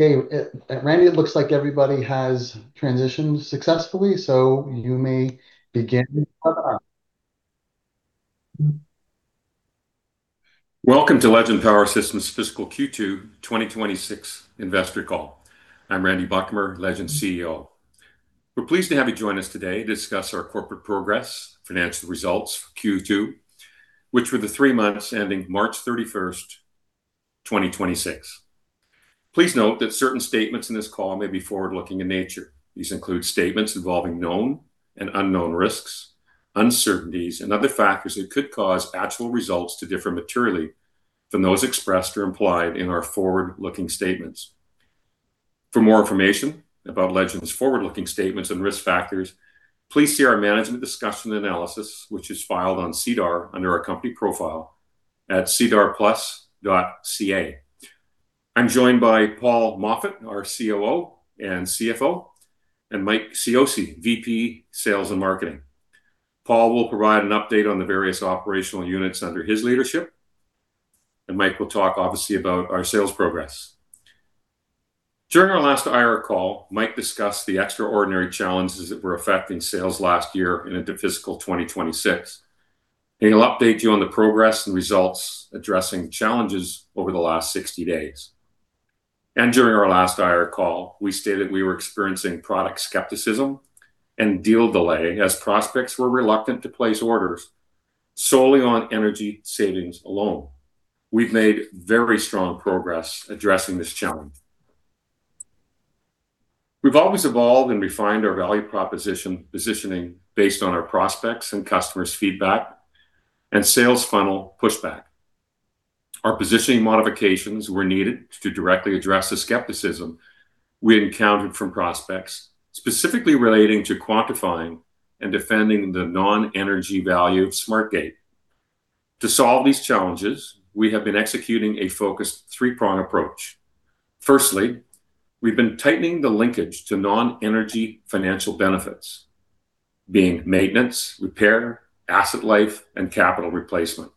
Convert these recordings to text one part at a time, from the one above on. Okay. Randy, it looks like everybody has transitioned successfully, so you may begin. Welcome to Legend Power Systems fiscal Q2 2026 investor call. I'm Randy Buchamer, Legend CEO. We're pleased to have you join us today to discuss our corporate progress, financial results for Q2, which were the three months ending March 31st, 2026. Please note that certain statements in this call may be forward-looking in nature. These include statements involving known and unknown risks, uncertainties, and other factors that could cause actual results to differ materially from those expressed or implied in our forward-looking statements. For more information about Legend's forward-looking statements and risk factors, please see our management discussion analysis, which is filed on SEDAR under our company profile at sedarplus.ca. I'm joined by Paul Moffat, our COO and CFO, and Mike Cioce, VP Sales and Marketing. Paul will provide an update on the various operational units under his leadership, and Mike will talk obviously about our sales progress. During our last IR call, Mike discussed the extraordinary challenges that were affecting sales last year and into fiscal 2026. He'll update you on the progress and results addressing challenges over the last 60 days. During our last IR call, we stated we were experiencing product skepticism and deal delay as prospects were reluctant to place orders solely on energy savings alone. We've made very strong progress addressing this challenge. We've always evolved and refined our value proposition positioning based on our prospects' and customers' feedback and sales funnel pushback. Our positioning modifications were needed to directly address the skepticism we had encountered from prospects, specifically relating to quantifying and defending the non-energy value of SmartGATE. To solve these challenges, we have been executing a focused three-prong approach. Firstly, we've been tightening the linkage to non-energy financial benefits, being maintenance, repair, asset life, and capital replacement.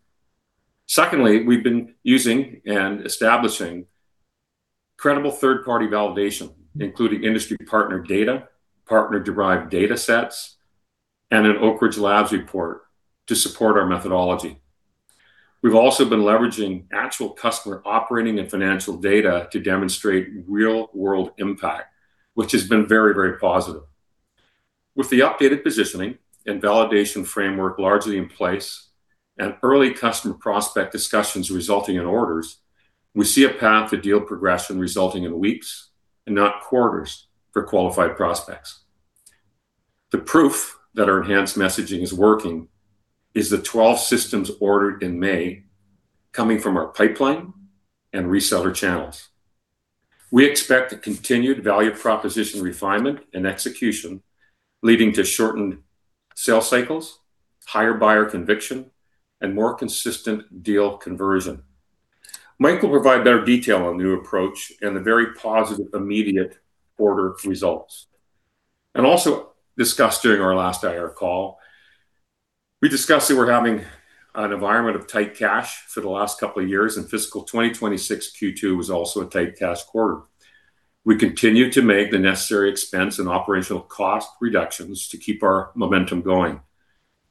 Secondly, we've been using and establishing credible third-party validation, including industry partner data, partner-derived datasets, and an Oak Ridge Labs report to support our methodology. We've also been leveraging actual customer operating and financial data to demonstrate real-world impact, which has been very, very positive. With the updated positioning and validation framework largely in place and early customer prospect discussions resulting in orders, we see a path to deal progression resulting in weeks and not quarters for qualified prospects. The proof that our enhanced messaging is working is the 12 systems ordered in May coming from our pipeline and reseller channels. We expect a continued value proposition refinement and execution, leading to shortened sales cycles, higher buyer conviction, and more consistent deal conversion. Mike will provide better detail on the new approach and the very positive immediate order results. Also discussed during our last IR call, we discussed that we're having an environment of tight cash for the last couple of years, and fiscal 2026 Q2 was also a tight cash quarter. We continue to make the necessary expense and operational cost reductions to keep our momentum going,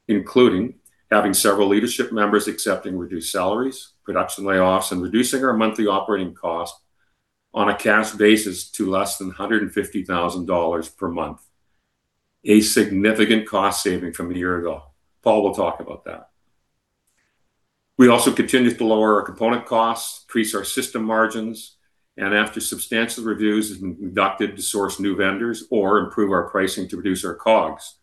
including having several leadership members accepting reduced salaries, production layoffs, and reducing our monthly operating cost on a cash basis to less than 150,000 dollars per month, a significant cost saving from a year ago. Paul will talk about that. We also continue to lower our component costs, increase our system margins, and after substantial reviews have been conducted to source new vendors or improve our pricing to reduce our COGS.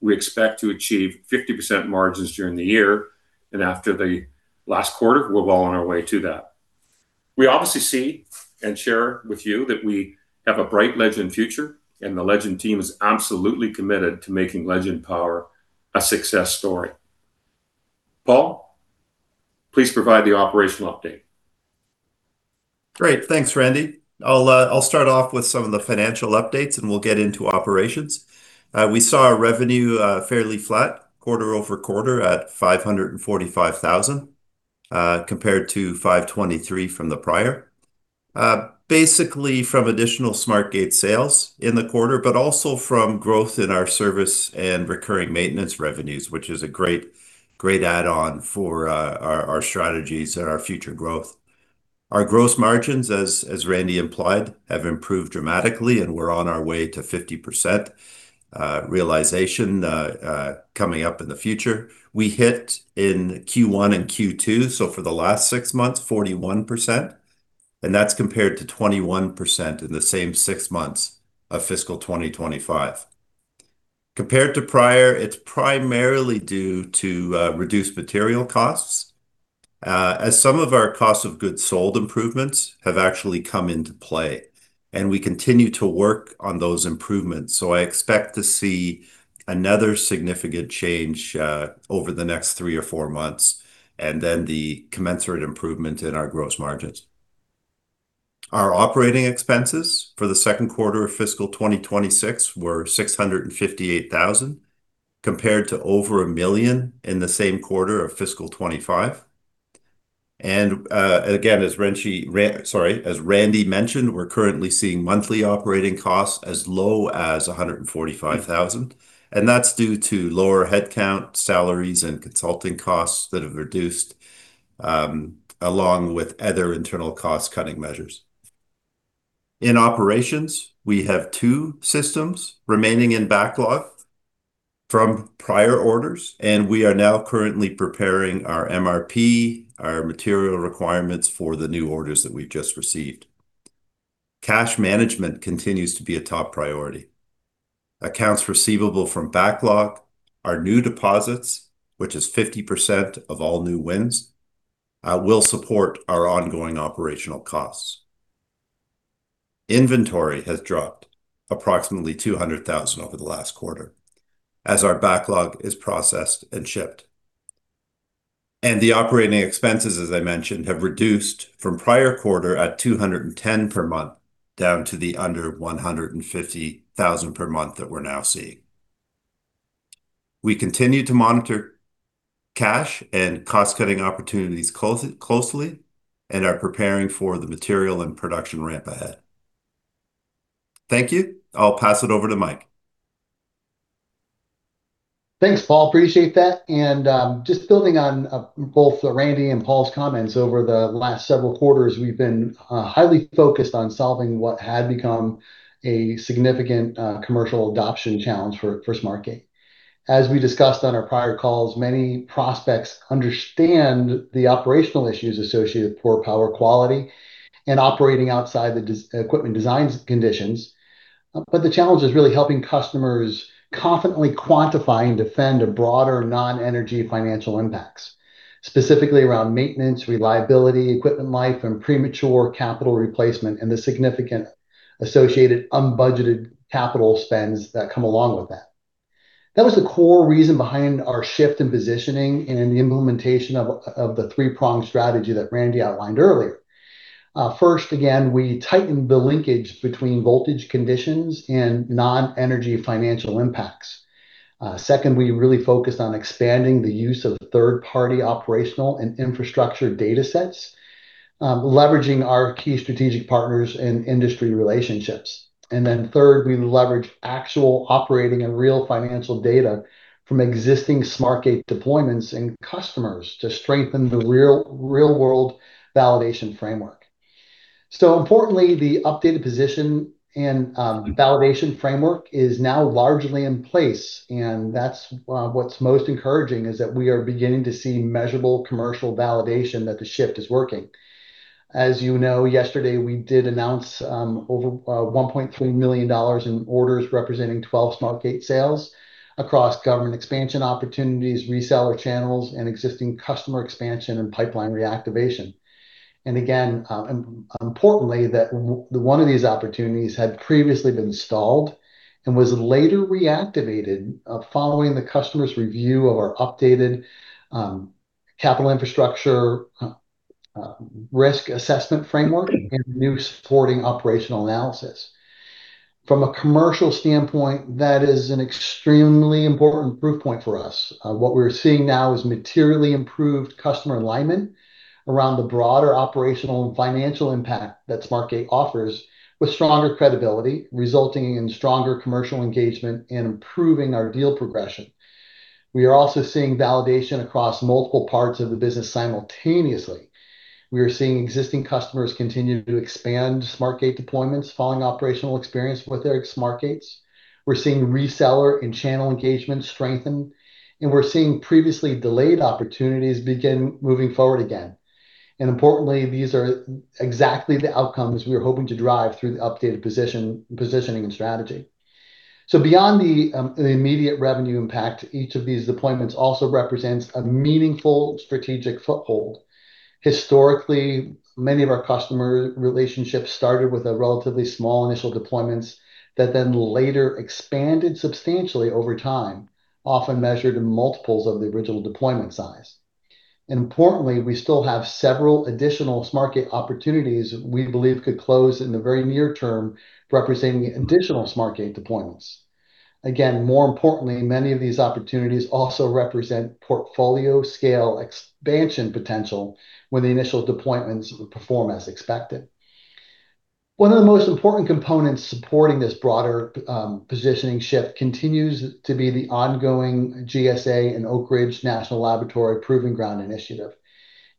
We expect to achieve 50% margins during the year, and after the last quarter, we're well on our way to that. We obviously see and share with you that we have a bright Legend future, and the Legend team is absolutely committed to making Legend Power a success story. Paul, please provide the operational update. Great. Thanks, Randy. I'll start off with some of the financial updates, and we'll get into operations. We saw our revenue fairly flat quarter-over-quarter at 545,000, compared to 523,000 from the prior. Basically from additional SmartGATE sales in the quarter, but also from growth in our service and recurring maintenance revenues, which is a great add-on for our strategies and our future growth. Our gross margins, as Randy implied, have improved dramatically, and we're on our way to 50% realization coming up in the future. We hit in Q1 and Q2, so for the last six months, 41%, and that's compared to 21% in the same six months of fiscal 2025. Compared to prior, it's primarily due to reduced material costs, as some of our cost of goods sold improvements have actually come into play. We continue to work on those improvements. I expect to see another significant change over the next three or four months, and then the commensurate improvement in our gross margins. Our operating expenses for the second quarter of fiscal 2026 were 658,000 compared to over 1 million in the same quarter of fiscal 2025. Again, as Randy mentioned, we're currently seeing monthly operating costs as low as 145,000, and that's due to lower headcount salaries and consulting costs that have reduced, along with other internal cost-cutting measures. In operations, we have two systems remaining in backlog from prior orders, and we are now currently preparing our MRP, our material requirements for the new orders that we've just received. Cash management continues to be a top priority. Accounts receivable from backlog are new deposits, which is 50% of all new wins, will support our ongoing operational costs. Inventory has dropped approximately 200,000 over the last quarter as our backlog is processed and shipped. The operating expenses, as I mentioned, have reduced from prior quarter at 210,000 per month, down to the under 150,000 per month that we're now seeing. We continue to monitor cash and cost-cutting opportunities closely and are preparing for the material and production ramp ahead. Thank you. I'll pass it over to Mike. Thanks, Paul. Appreciate that. Just building on both Randy and Paul's comments, over the last several quarters, we've been highly focused on solving what had become a significant commercial adoption challenge for SmartGATE. As we discussed on our prior calls, many prospects understand the operational issues associated with poor power quality and operating outside the equipment designs conditions. The challenge is really helping customers confidently quantify and defend a broader non-energy financial impacts, specifically around maintenance, reliability, equipment life, and premature capital replacement, and the significant associated unbudgeted capital spends that come along with that. That was the core reason behind our shift in positioning and the implementation of the three-pronged strategy that Randy outlined earlier. First, again, we tightened the linkage between voltage conditions and non-energy financial impacts. We really focused on expanding the use of third-party operational and infrastructure datasets, leveraging our key strategic partners and industry relationships. Third, we leverage actual operating and real financial data from existing SmartGATE deployments and customers to strengthen the real-world validation framework. Importantly, the updated position and validation framework is now largely in place, and that's what's most encouraging is that we are beginning to see measurable commercial validation that the shift is working. As you know, yesterday we did announce over 1.3 million dollars in orders representing 12 SmartGATE sales across government expansion opportunities, reseller channels, and existing customer expansion and pipeline reactivation. Again, importantly, that one of these opportunities had previously been stalled and was later reactivated following the customer's review of our updated capital infrastructure risk assessment framework and new supporting operational analysis. From a commercial standpoint, that is an extremely important proof point for us. What we're seeing now is materially improved customer alignment around the broader operational and financial impact that SmartGATE offers with stronger credibility, resulting in stronger commercial engagement and improving our deal progression. We are also seeing validation across multiple parts of the business simultaneously. We are seeing existing customers continue to expand SmartGATE deployments following operational experience with their SmartGATEs. We're seeing reseller and channel engagement strengthen, we're seeing previously delayed opportunities begin moving forward again. Importantly, these are exactly the outcomes we are hoping to drive through the updated positioning and strategy. Beyond the immediate revenue impact, each of these deployments also represents a meaningful strategic foothold. Historically, many of our customer relationships started with a relatively small initial deployments that then later expanded substantially over time, often measured in multiples of the original deployment size. Importantly, we still have several additional SmartGATE opportunities we believe could close in the very near term, representing additional SmartGATE deployments. Again, more importantly, many of these opportunities also represent portfolio scale expansion potential when the initial deployments perform as expected. One of the most important components supporting this broader positioning shift continues to be the ongoing GSA and Oak Ridge National Laboratory Proving Ground initiative.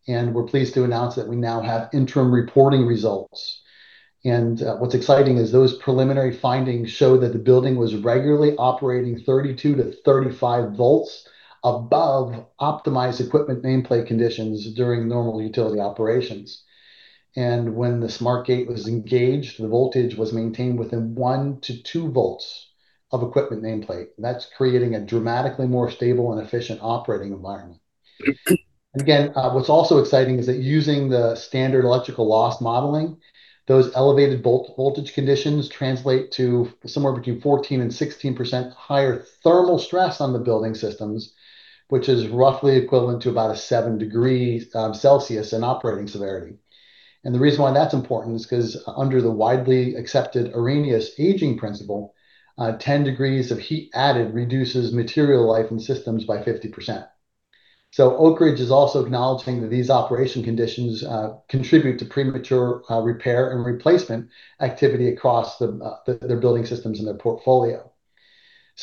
We're pleased to announce that we now have interim reporting results. What's exciting is those preliminary findings show that the building was regularly operating 32 V-35 V above optimized equipment nameplate conditions during normal utility operations. When the SmartGATE was engaged, the voltage was maintained within 1 V-2 V of equipment nameplate. That's creating a dramatically more stable and efficient operating environment. What's also exciting is that using the standard electrical loss modeling, those elevated voltage conditions translate to somewhere between 14% and 16% higher thermal stress on the building systems, which is roughly equivalent to about a 7 degrees Celsius in operating severity. The reason why that's important is because under the widely accepted Arrhenius aging principle, 10 degrees Celsius of heat added reduces material life in systems by 50%. Oak Ridge is also acknowledging that these operation conditions contribute to premature repair and replacement activity across their building systems and their portfolio.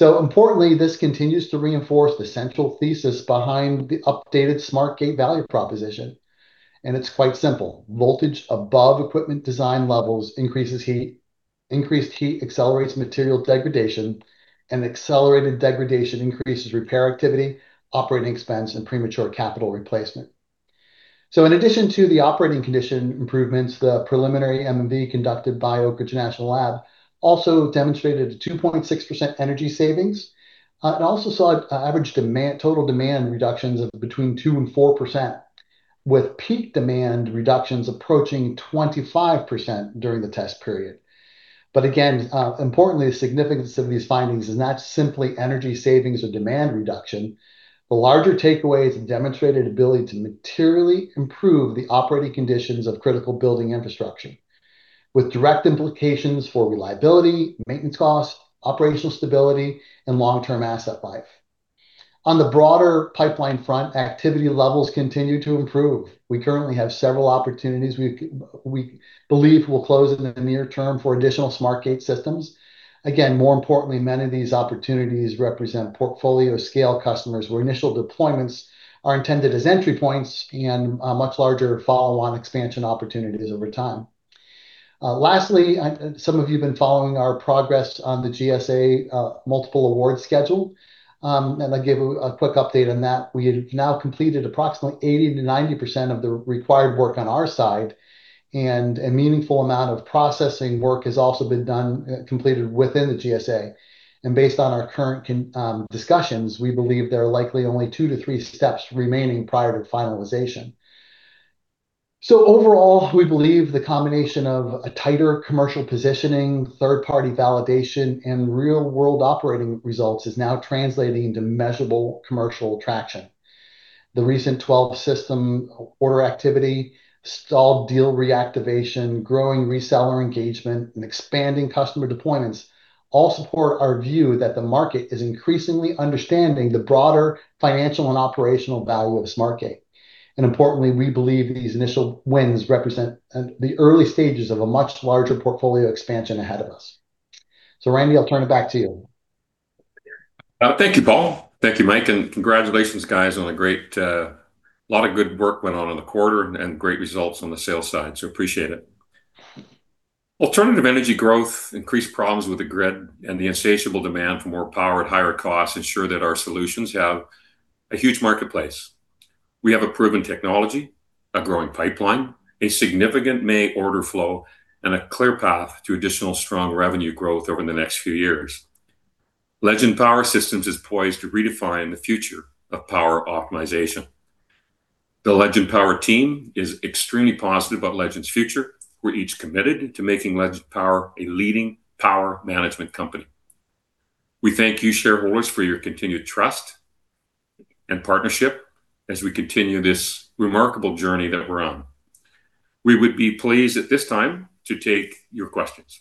Importantly, this continues to reinforce the central thesis behind the updated SmartGATE value proposition, and it's quite simple. Voltage above equipment design levels increases heat, increased heat accelerates material degradation, and accelerated degradation increases repair activity, operating expense, and premature capital replacement. In addition to the operating condition improvements, the preliminary M&V conducted by Oak Ridge National Lab also demonstrated a 2.6% energy savings, and also saw average total demand reductions of between 2%-4%, with peak demand reductions approaching 25% during the test period. Again, importantly, the significance of these findings is not simply energy savings or demand reduction. The larger takeaway is the demonstrated ability to materially improve the operating conditions of critical building infrastructure with direct implications for reliability, maintenance costs, operational stability, and long-term asset life. On the broader pipeline front, activity levels continue to improve. We currently have several opportunities we believe will close in the near term for additional SmartGATE systems. Again, more importantly, many of these opportunities represent portfolio scale customers, where initial deployments are intended as entry points and much larger follow-on expansion opportunities over time. Lastly, some of you have been following our progress on the GSA Multiple Award Schedule. I'll give a quick update on that. We have now completed approximately 80%-90% of the required work on our side, and a meaningful amount of processing work has also been completed within the GSA. Based on our current discussions, we believe there are likely only two to three steps remaining prior to finalization. Overall, we believe the combination of a tighter commercial positioning, third-party validation, and real-world operating results is now translating into measurable commercial traction. The recent 12 system order activity, stalled deal reactivation, growing reseller engagement, and expanding customer deployments all support our view that the market is increasingly understanding the broader financial and operational value of SmartGATE. Importantly, we believe these initial wins represent the early stages of a much larger portfolio expansion ahead of us. Randy, I'll turn it back to you. Thank you, Paul. Thank you, Mike, and congratulations, guys, a lot of good work went on in the quarter and great results on the sales side, so appreciate it. Alternative energy growth, increased problems with the grid, and the insatiable demand for more power at higher costs ensure that our solutions have a huge marketplace. We have a proven technology, a growing pipeline, a significant May order flow, and a clear path to additional strong revenue growth over the next few years. Legend Power Systems is poised to redefine the future of power optimization. The Legend Power team is extremely positive about Legend's future. We're each committed to making Legend Power a leading power management company. We thank you shareholders for your continued trust and partnership as we continue this remarkable journey that we're on. We would be pleased at this time to take your questions.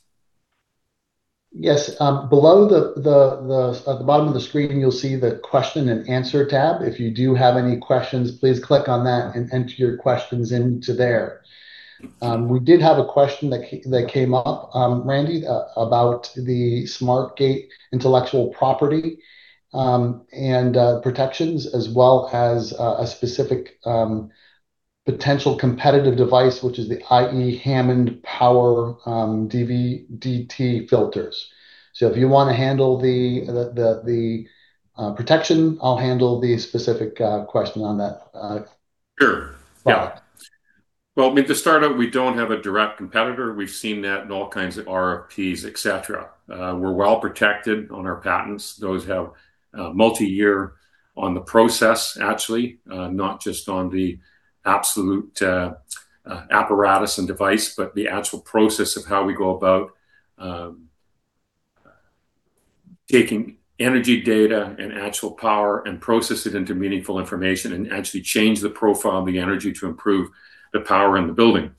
Yes. Below at the bottom of the screen, you'll see the question-and-answer tab. If you do have any questions, please click on that and enter your questions into there. We did have a question that came up, Randy, about the SmartGATE intellectual property and protections, as well as a specific potential competitive device, which is the Hammond Power dV/dt filters. If you want to handle the protection, I'll handle the specific question on that Sure. Yeah. part. Well, I mean, to start out, we don't have a direct competitor. We've seen that in all kinds of RFPs, et cetera. We're well protected on our patents. Those have multi-year on the process, actually, not just on the absolute apparatus and device, but the actual process of how we go about taking energy data and actual power and process it into meaningful information and actually change the profile of the energy to improve the power in the building.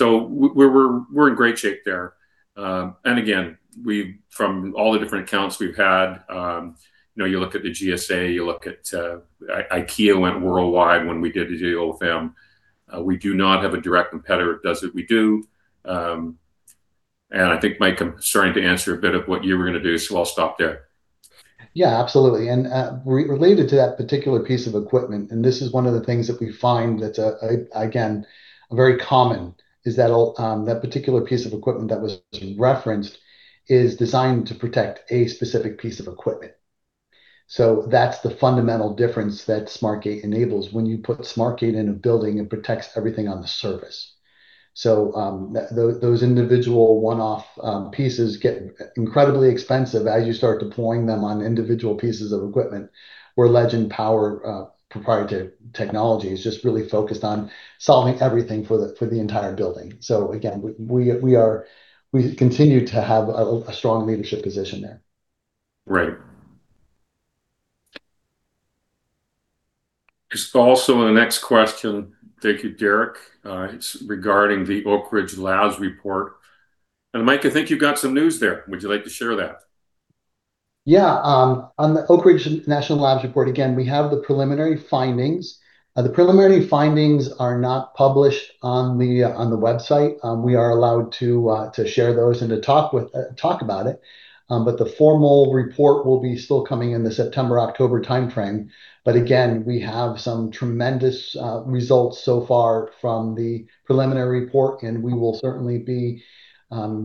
We're in great shape there. Again, from all the different accounts we've had, you look at the GSA, you look at IKEA went worldwide when we did the deal with them. We do not have a direct competitor that does what we do. I think, Mike, I'm starting to answer a bit of what you were going to do, I'll stop there. Yeah, absolutely. Related to that particular piece of equipment, and this is one of the things that we find that's, again, very common, is that particular piece of equipment that was referenced is designed to protect a specific piece of equipment. That's the fundamental difference that SmartGATE enables. When you put SmartGATE in a building, it protects everything on the surface. Those individual one-off pieces get incredibly expensive as you start deploying them on individual pieces of equipment, where Legend Power proprietary technology is just really focused on solving everything for the entire building. Again, we continue to have a strong leadership position there. Right. Just also on the next question, thank you, Derek, it's regarding the Oak Ridge Labs report. Mike, I think you've got some news there. Would you like to share that? On the Oak Ridge National Laboratory report, again, we have the preliminary findings. The preliminary findings are not published on the website. We are allowed to share those and to talk about it. The formal report will be still coming in the September-October timeframe. Again, we have some tremendous results so far from the preliminary report, and we will certainly be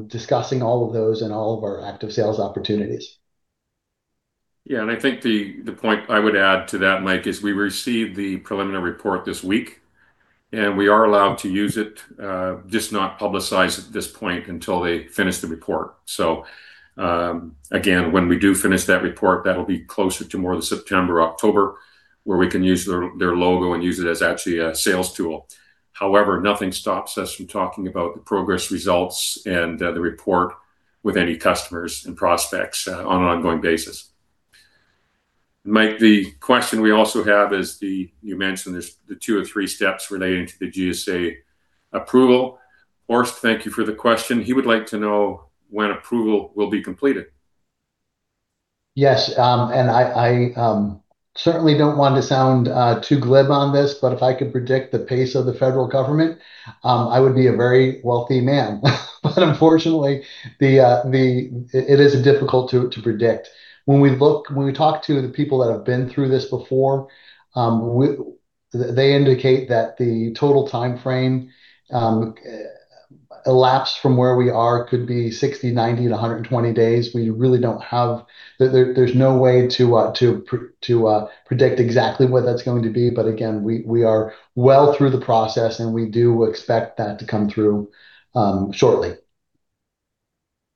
discussing all of those in all of our active sales opportunities. Yeah, I think the point I would add to that, Mike, is we received the preliminary report this week, and we are allowed to use it, just not publicize at this point until they finish the report. Again, when we do finish that report, that'll be closer to more the September or October, where we can use their logo and use it as actually a sales tool. However, nothing stops us from talking about the progress results and the report with any customers and prospects on an ongoing basis. Mike, the question we also have is, you mentioned there's the two or three steps relating to the GSA approval. Horst, thank you for the question. He would like to know when approval will be completed. Yes, I certainly don't want to sound too glib on this, if I could predict the pace of the federal government, I would be a very wealthy man. Unfortunately, it is difficult to predict. When we talk to the people that have been through this before, they indicate that the total timeframe elapsed from where we are could be 60, 90 to 120 days. There's no way to predict exactly what that's going to be. Again, we are well through the process, and we do expect that to come through shortly.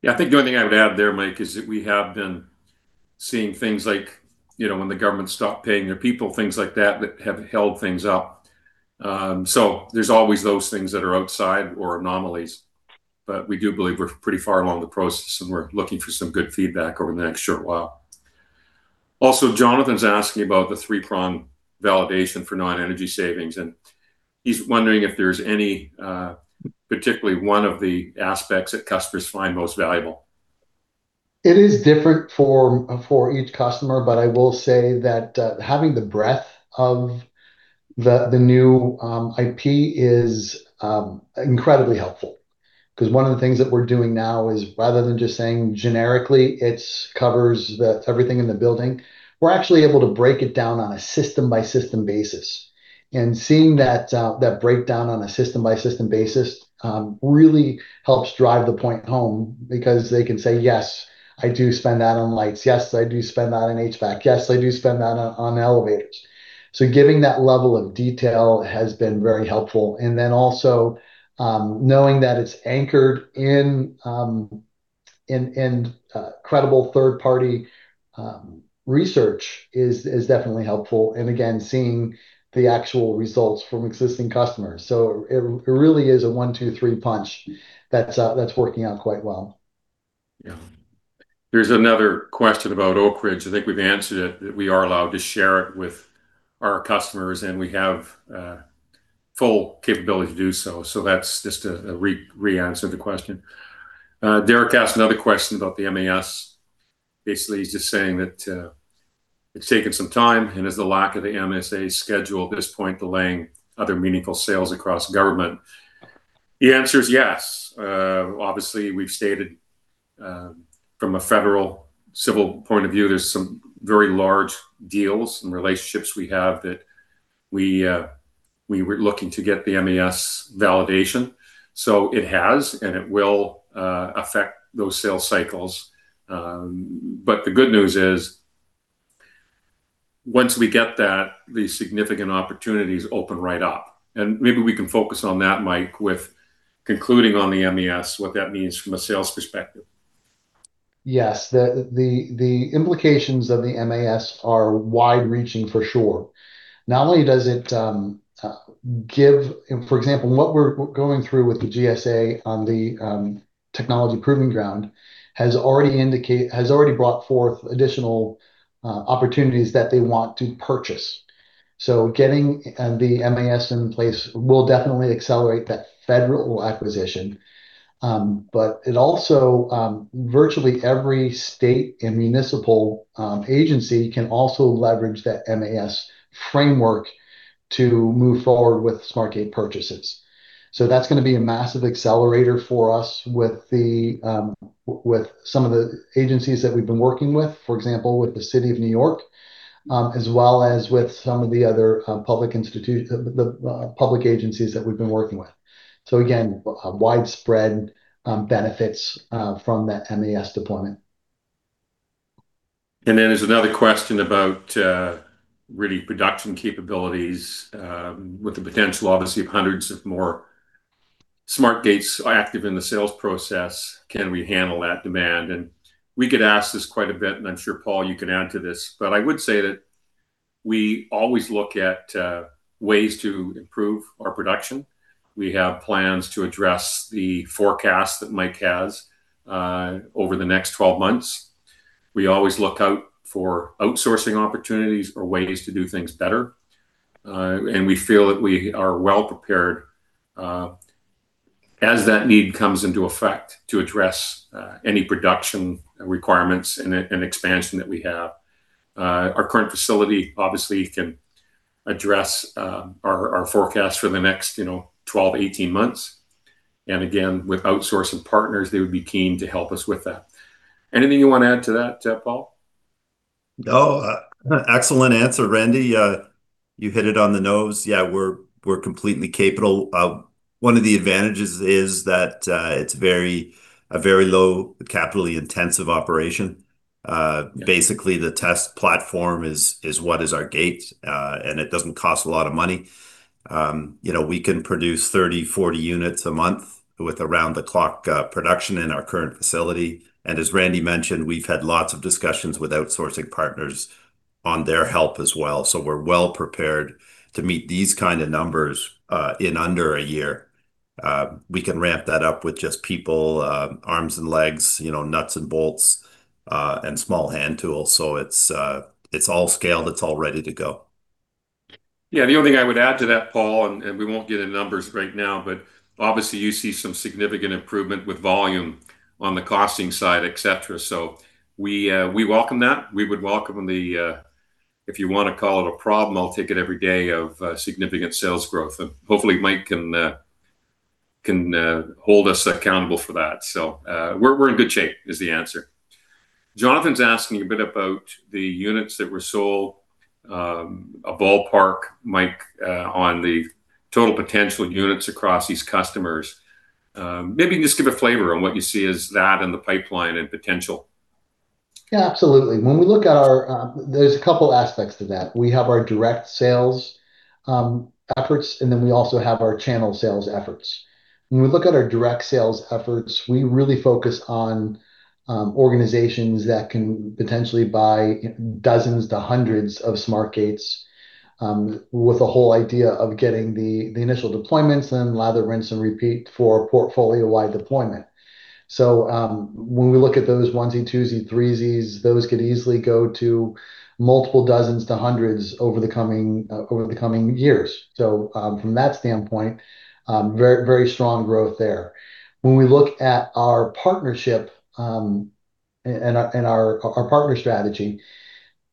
I think the only thing I would add there, Mike, is that we have been seeing things like when the government stopped paying their people, things like that have held things up. So there's always those things that are outside or anomalies. But we do believe we're pretty far along the process, and we're looking for some good feedback over the next short while. Also, Jonathan's asking about the three-prong validation for non-energy savings, and he's wondering if there's any, particularly one of the aspects that customers find most valuable. It is different for each customer, but I will say that having the breadth of the new IP is incredibly helpful. One of the things that we're doing now is rather than just saying generically it covers everything in the building, we're actually able to break it down on a system-by-system basis. Seeing that breakdown on a system-by-system basis really helps drive the point home because they can say, Yes, I do spend that on lights. Yes, I do spend that on HVAC. Yes, I do spend that on elevators. Giving that level of detail has been very helpful, and then also knowing that it's anchored in credible third-party research is definitely helpful and again, seeing the actual results from existing customers. It really is a one, two, three punch that's working out quite well. There's another question about Oak Ridge. I think we've answered it, that we are allowed to share it with our customers, and we have full capability to do so. That's just to re-answer the question. Derek asked another question about the MAS. Basically, he's just saying that it's taken some time and is the lack of the MAS schedule at this point delaying other meaningful sales across government? The answer is yes. Obviously, we've stated from a federal civil point of view, there's some very large deals and relationships we have that we were looking to get the MAS validation. It has, and it will affect those sales cycles. The good news is, once we get that, the significant opportunities open right up, and maybe we can focus on that, Mike, with concluding on the MAS, what that means from a sales perspective. Yes. The implications of the MAS are wide-reaching for sure. Not only does it give, for example, what we're going through with the GSA on the Green Proving Ground has already brought forth additional opportunities that they want to purchase. Getting the MAS in place will definitely accelerate that federal acquisition. It also, virtually every state and municipal agency can also leverage that MAS framework to move forward with SmartGATE purchases. That's going to be a massive accelerator for us with some of the agencies that we've been working with, for example, with the City of New York, as well as with some of the other public agencies that we've been working with. Again, widespread benefits from that MAS deployment. There's another question about really production capabilities, with the potential, obviously, of hundreds of more SmartGATEs active in the sales process. Can we handle that demand? We get asked this quite a bit, and I'm sure, Paul, you can add to this, but I would say that we always look at ways to improve our production. We have plans to address the forecast that Mike has over the next 12 months. We always look out for outsourcing opportunities or ways to do things better. We feel that we are well prepared, As that need comes into effect to address any production requirements and expansion that we have, our current facility obviously can address our forecast for the next 12-18 months. Again, with outsourcing partners, they would be keen to help us with that. Anything you want to add to that, Paul? No. Excellent answer, Randy. You hit it on the nose. Yeah, we're completely capable. One of the advantages is that it's a very low capitally intensive operation. Yeah. Basically, the test platform is what is our SmartGATE, and it doesn't cost a lot of money. We can produce 30-40 units a month with around the clock production in our current facility. As Randy mentioned, we've had lots of discussions with outsourcing partners on their help as well. We're well prepared to meet these kind of numbers in under a year. We can ramp that up with just people, arms and legs, nuts and bolts, and small hand tools. It's all scaled, it's all ready to go. Yeah. The only thing I would add to that, Paul, and we won't get in numbers right now, but obviously you see some significant improvement with volume on the costing side, et cetera. We welcome that. We would welcome the, if you want to call it a problem, I'll take it every day, of significant sales growth. Hopefully Mike can hold us accountable for that. We're in good shape is the answer. Jonathan's asking a bit about the units that were sold, a ballpark, Mike, on the total potential units across these customers. Maybe just give a flavor on what you see as that in the pipeline and potential. Absolutely. There's two aspects to that. We have our direct sales efforts, and then we also have our channel sales efforts. When we look at our direct sales efforts, we really focus on organizations that can potentially buy dozens to hundreds of SmartGATEs, with the whole idea of getting the initial deployments, then lather, rinse, and repeat for portfolio-wide deployment. When we look at those onesie, twosie, threesies, those could easily go to multiple dozens to hundreds over the coming years. From that standpoint, very strong growth there. When we look at our partnership and our partner strategy,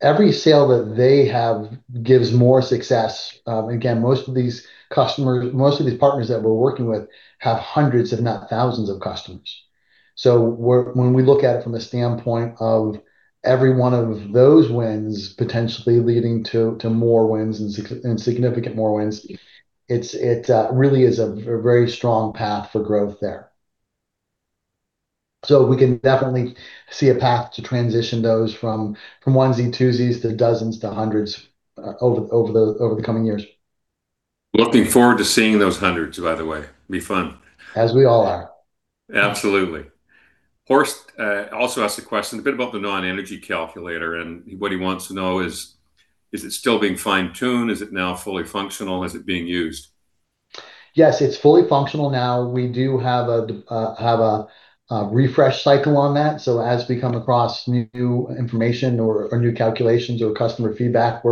every sale that they have gives more success. Again, most of these partners that we're working with have hundreds, if not thousands, of customers. When we look at it from the standpoint of every one of those wins potentially leading to more wins and significant more wins, it really is a very strong path for growth there. We can definitely see a path to transition those from onesie, twosies, to dozens, to hundreds over the coming years. Looking forward to seeing those hundreds, by the way. It will be fun. As we all are. Absolutely. Horst also asked a question a bit about the non-energy calculator, what he wants to know is it still being fine-tuned? Is it now fully functional? Is it being used? Yes, it's fully functional now. We do have a refresh cycle on that. As we come across new information or new calculations or customer feedback,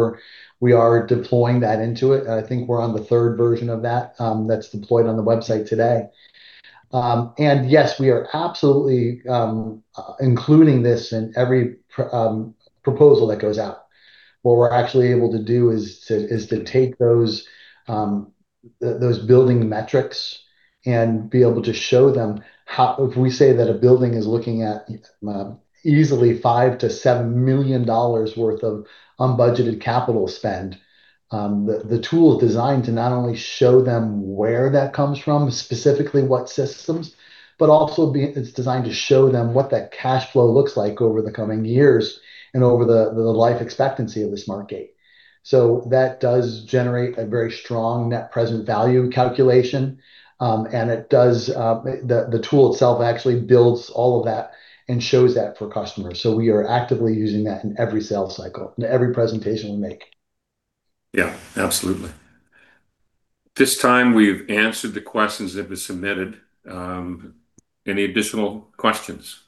we are deploying that into it. I think we're on the third version of that's deployed on the website today. Yes, we are absolutely including this in every proposal that goes out. What we're actually able to do is to take those building metrics and be able to show them how If we say that a building is looking at easily 5 million-7 million dollars worth of unbudgeted capital spend, the tool is designed to not only show them where that comes from, specifically what systems, but also it's designed to show them what that cash flow looks like over the coming years and over the life expectancy of the SmartGATE. That does generate a very strong net present value calculation. The tool itself actually builds all of that and shows that for customers. We are actively using that in every sales cycle and every presentation we make. Absolutely. At this time we've answered the questions that were submitted. Any additional questions?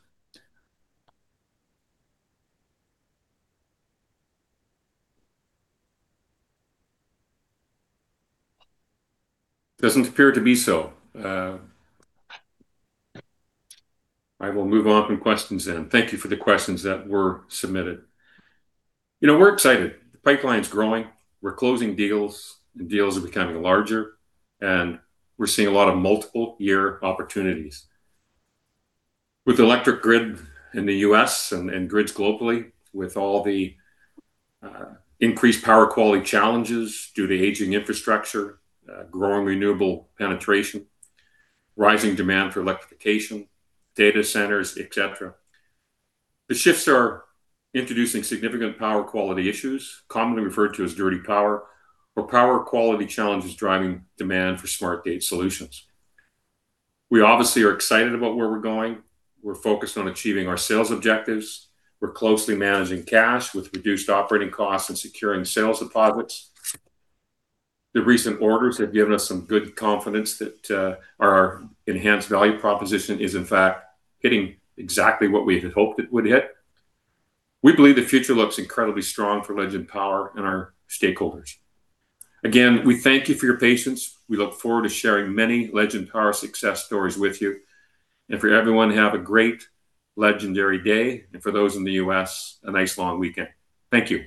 Doesn't appear to be so. I will move on from questions then. Thank you for the questions that were submitted. We're excited. The pipeline's growing. We're closing deals, and deals are becoming larger, and we're seeing a lot of multiple year opportunities. With electric grid in the U.S. and grids globally, with all the increased power quality challenges due to aging infrastructure, growing renewable penetration, rising demand for electrification, data centers, et cetera. The shifts are introducing significant power quality issues, commonly referred to as dirty power, or power quality challenges driving demand for SmartGATE solutions. We obviously are excited about where we're going. We're focused on achieving our sales objectives. We're closely managing cash with reduced operating costs and securing sales deposits. The recent orders have given us some good confidence that our enhanced value proposition is in fact hitting exactly what we had hoped it would hit. We believe the future looks incredibly strong for Legend Power and our stakeholders. Again, we thank you for your patience. We look forward to sharing many Legend Power success stories with you. For everyone, have a great legendary day, and for those in the U.S., a nice long weekend. Thank you